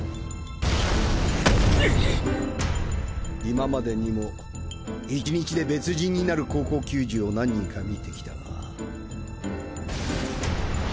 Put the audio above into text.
今までにも１日で別人になる高校球児を何人か見てきたが。